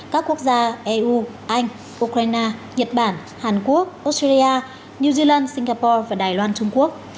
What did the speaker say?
các quốc gia eu anh ukraine nhật bản hàn quốc australia new zealand singapore và đài loan trung quốc